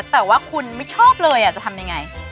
แต่ว่าคุณไม่ชอบเลยจะทำยังไง